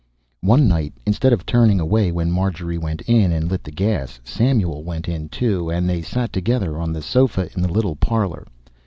One night, instead of turning away when Marjorie went in and lit the gas, Samuel went in, too, and they sat together on the sofa in the little parlor.